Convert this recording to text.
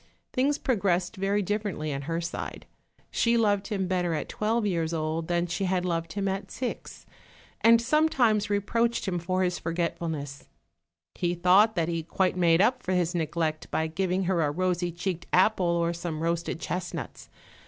Things progressed very differently on her side; she loved him better at twelve years old than she had loved him at six, and sometimes reproached him for his forgetfulness: he thought that he quite made up for his neglect by giving her a rosy cheeked apple or some roasted chestnuts.